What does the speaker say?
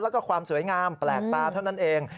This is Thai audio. แล้วก็ความสวยงามแปลกตาเท่านั้นเอง